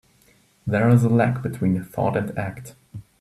There is a lag between thought and act.